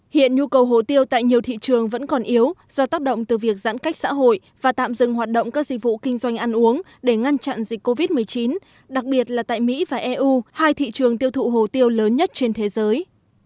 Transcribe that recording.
hiện nhu cầu hồ tiêu tại nhiều thị trường vẫn còn yếu do tác động từ việc giãn cách xã hội và tạm dừng hoạt động các dịch vụ kinh doanh ăn uống để ngăn chặn dịch covid một mươi chín đặc biệt là tại mỹ và eu hai thị trường tiêu thụ hồ tiêu lớn nhất trên thế giới